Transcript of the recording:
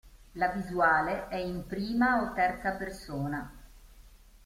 La visuale è in prima o terza persona.